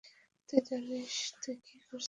তুই জানিস কী করেছিস?